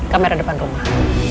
kamera depan rumah